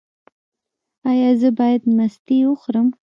ایا زه باید مستې وخورم؟